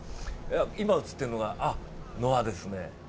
今、映ってるのがノアですね。